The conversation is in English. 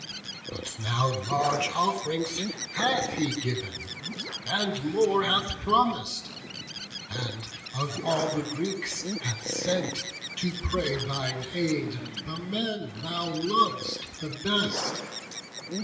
But now large off'rings hath he giv'n, and more Hath promis'd; and, of all the Greeks, hath sent To pray thine aid, the men thou lov'st the best.